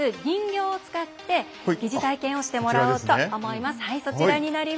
人形を使って疑似体験をしてもらおうと思います。